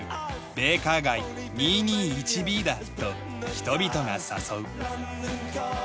ベイカー街２２１Ｂだと人々が誘う。